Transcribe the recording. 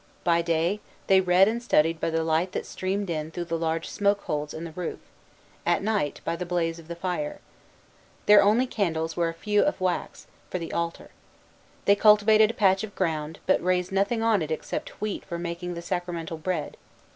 By day, they read and studied by the light that streamed in through the large smoke holes in the roof, at night, by the blaze of the fire. Their only candles were a few of wax, for the altar. They cultivated a patch of ground, but raised nothing on it except wheat for making the sacramental bread.